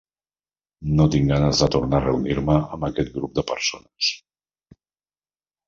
No tinc ganes de tornar a reunir-me amb aquest grup de persones.